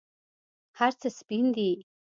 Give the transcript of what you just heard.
هرڅه سپین دي